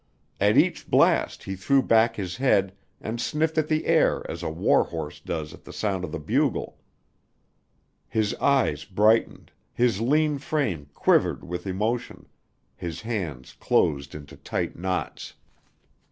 At each blast he threw back his head and sniffed at the air as a war horse does at sound of the bugle. His eyes brightened, his lean frame quivered with emotion, his hands closed into tight knots.